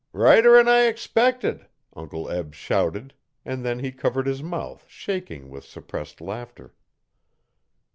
'Righter'n I expected,' Uncle Eb shouted, and then he covered his mouth, shaking with suppressed laughter.